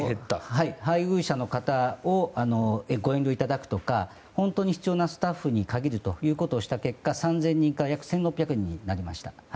配偶者の方にご遠慮いただくとか本当に必要なスタッフに限るということをした結果３０００人から約１６００人になりました。